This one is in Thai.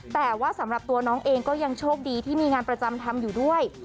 แต่ว่าสำหรับตัวน้องเองก็ยังโชคดีที่มีงานประจำทำอยู่ด้วย